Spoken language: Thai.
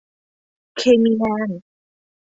เคมีแมน